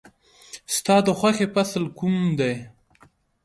ستا د خوښې فصل کوم دی؟